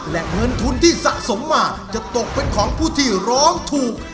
และเงินทุนที่สะสมมาจะตกเป็นของผู้ที่ร้องถูก